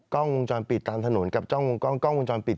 กล้องวงจรปิดตามถนนกับกล้องวงจรปิด